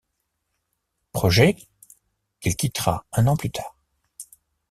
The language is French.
Project, qu'il quittera un an plus tard.